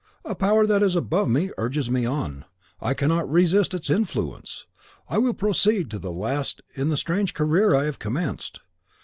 A power that is above me urges me on; I cannot resist its influence. I will proceed to the last in the strange career I have commenced.